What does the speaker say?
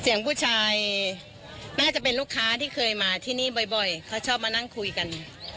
เสียงผู้ชายน่าจะเป็นลูกค้าที่เคยมาที่นี่บ่อยเขาชอบมานั่งคุยกัน